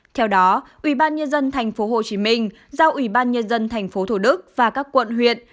theo đó ủy ban nhân dân tp hcm giao ủy ban nhân dân tp thủ đức và các quận huyện